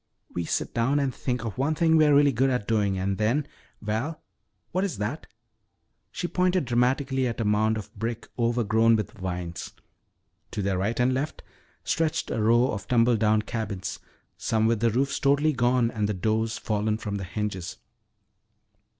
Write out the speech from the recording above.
"We sit down and think of one thing we're really good at doing and then Val, what is that?" She pointed dramatically at a mound of brick overgrown with vines. To their right and left stretched a row of tumble down cabins, some with the roofs totally gone and the doors fallen from the hinges.